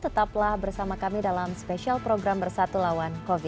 tetaplah bersama kami dalam spesial program bersatu lawan covid sembilan belas